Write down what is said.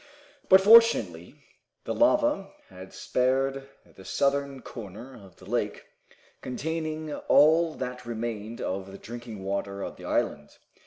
But, fortunately the lava had spared the southern corner of the lake, containing all that remained of the drinking water of the island.